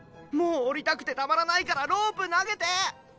もう降りたくてたまらないからロープ投げて！